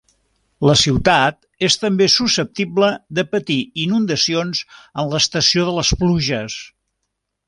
La ciutat és també susceptible de patir inundacions en l'estació de les pluges.